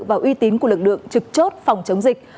và uy tín của lực lượng trực chốt phòng chống dịch